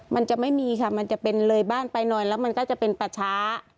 มันจะไม่มีค่ะมันจะเป็นเลยบ้านไปหน่อยแล้วมันก็จะเป็นป่าช้า